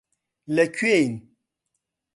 لەکوێین؟